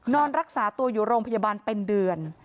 นอนรักษาตัวอยู่โรงพยาบาลเป็นเดือน